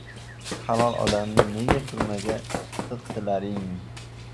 Halol odamni nega turmaga tiqdilaring!